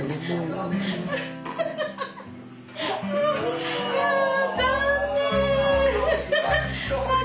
はい。